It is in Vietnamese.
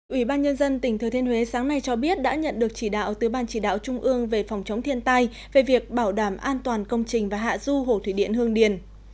ủy ban nhân dân tỉnh thừa thiên huế sáng nay cho biết đã nhận được chỉ đạo từ ban chỉ đạo trung ương về phòng chống thiên tai về việc bảo đảm an toàn công trình và hạ du hồ thủy điện hương điền